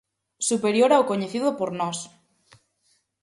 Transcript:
Superior ao coñecido por nós.